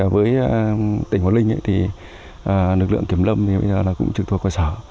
với tỉnh hồ linh nực lượng kiểm lâm bây giờ cũng trực thuộc vào xã